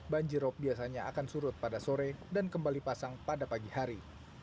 banjirop biasanya akan surut pada sore dan kembali pasang pada pagi hari